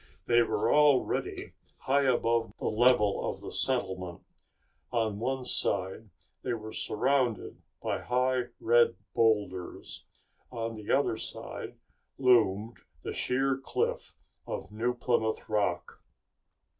They were already high above the level of the settlement. On one side they were surrounded by high red boulders. On the other side loomed the sheer cliff of New Plymouth Rock.